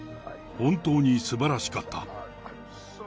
本当にすばらしかった。